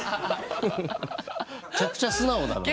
めちゃくちゃ素直だなもう。